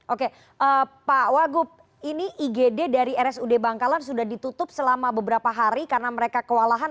oke pak wagub ini igd dari rsud bangkalan sudah ditutup selama beberapa hari karena mereka kewalahan